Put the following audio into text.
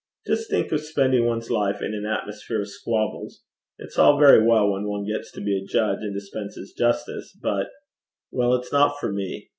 'Just think of spending one's life in an atmosphere of squabbles. It's all very well when one gets to be a judge and dispense justice; but well, it's not for me.